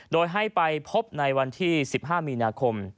โดยให้ไปพบในวันที่๑๕มีนาคม